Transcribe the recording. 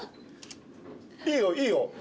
いいよいいよ。